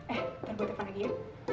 eh taruh gue telfon lagi ya